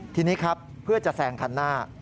ทีนี้ครับเพื่อจะแซงคันหน้า